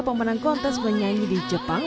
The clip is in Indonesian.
pemenang kontes penyanyi di jepang